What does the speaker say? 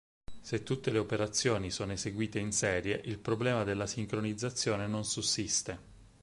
Se tutte le operazioni sono eseguite in serie, il problema della sincronizzazione non sussiste.